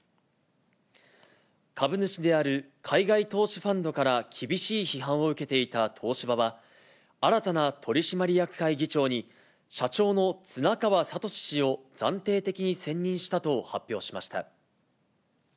株主である海外投資ファンドから厳しい批判を受けていた東芝は、新たな取締役会議長に、社長の綱川智氏を暫定的に選任したと発表しました。